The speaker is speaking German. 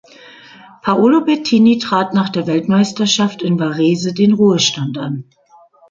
Paolo Bettini trat nach der Weltmeisterschaft in Varese den Ruhestand an.